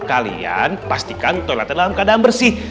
kalian pastikan toilet dalam keadaan bersih